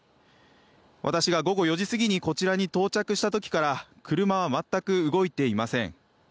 私が午後４時過ぎにこちらに到着した時から車は全く動いていません。